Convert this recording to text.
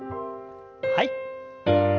はい。